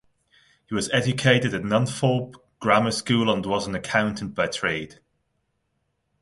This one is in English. He was educated at Nunthorpe Grammar School and was an accountant by trade.